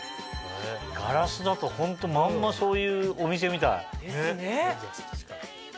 ガラスだとホントまんまそういうお店みたい。ですね。